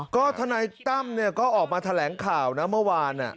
ก็ทนายตั้มก็ออกมาแถลงข่าวนะเมื่อวาน